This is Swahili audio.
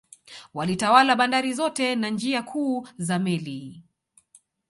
Walitawala bandari zote na njia kuu za meli